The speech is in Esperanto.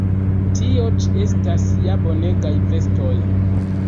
Tio ĉi estas ja bonegaj vestoj!